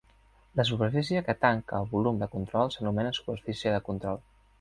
La superfície que tanca el volum de control s'anomena superfície de control.